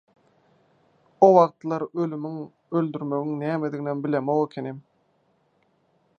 O wagtlar ölümiň, öldürmegiň nämediginem bilemok ekenim.